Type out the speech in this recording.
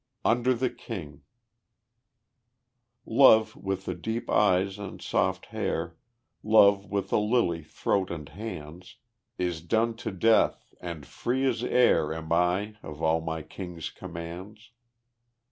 Under the King Love with the deep eyes and soft hair, Love with the lily throat and hands, Is done to death, and free as air Am I of all my King's commands.